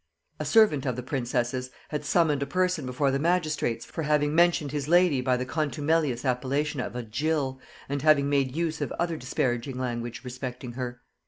A servant of the princess's had summoned a person before the magistrates for having mentioned his lady by the contumelious appellation of a jill, and having made use of other disparaging language respecting her.